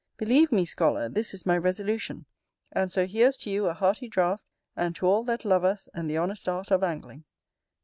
Believe me, scholar, this is my resolution; and so here's to you a hearty draught, and to all that love us and the honest art of Angling.